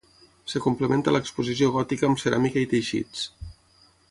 Es complementa l'exposició gòtica amb ceràmica i teixits.